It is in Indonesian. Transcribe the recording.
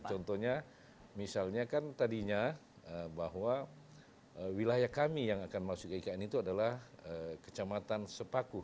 contohnya misalnya kan tadinya bahwa wilayah kami yang akan masuk ke ikn itu adalah kecamatan sepaku